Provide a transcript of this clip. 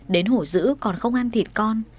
đến hổ dữ còn không ăn thịt con